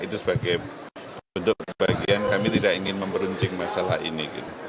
itu sebagai bentuk bagian kami tidak ingin memperuncing masalah ini